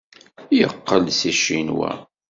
Yeqqel-d seg Ccinwa.